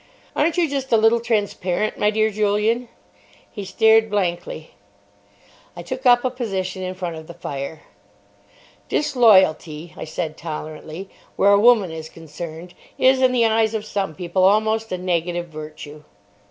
"Aren't you just a little transparent, my dear Julian?" He stared blankly. I took up a position in front of the fire. "Disloyalty," I said tolerantly, "where a woman is concerned, is in the eyes of some people almost a negative virtue."